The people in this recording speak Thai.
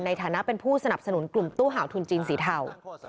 ในฐานะเป็นผู้สนับสนุนกลุ่มตู้เห่าทุนจีนสีเทา